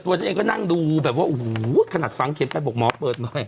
ฉันเองก็นั่งดูแบบว่าโอ้โหขนาดฝังเข็มไปบอกหมอเปิดหน่อย